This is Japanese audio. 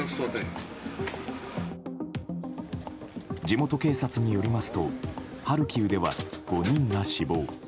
地元警察によりますとハルキウでは５人が死亡。